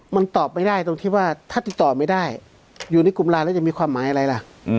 มันตอบไม่ได้ตรงที่ว่าถ้าติดต่อไม่ได้อยู่ในกลุ่มไลน์แล้วจะมีความหมายอะไรล่ะ